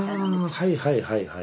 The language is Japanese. あはいはいはいはい。